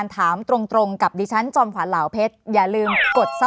วันนี้สวัสดีค่ะ